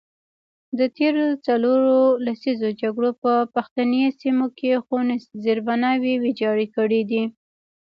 د تیرو څلورو لسیزو جګړو په پښتني سیمو کې ښوونیز زیربناوې ویجاړې کړي دي.